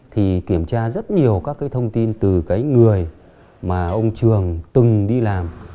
thì kiểm tra rất nhiều các cái thông tin từ cái người mà ông trường từng đi làm